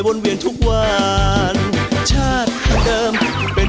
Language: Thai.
ดูแล้วคงไม่รอดเพราะเราคู่กัน